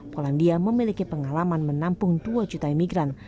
polandia memiliki pengalaman menampung dua juta imigran